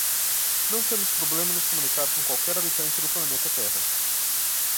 Não temos problema em nos comunicar com qualquer habitante do planeta Terra.